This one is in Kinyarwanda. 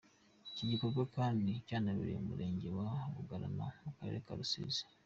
Iki gikorwa kandi cyanabereye mu murenge wa Bugarama mu karere ka Rusizi.